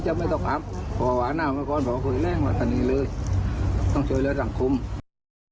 จะทำมาได้บุยบาลมาทิบหว่าปี่